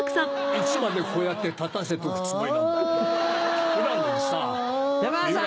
いつまでこうやって立たせとくつもりなんだい。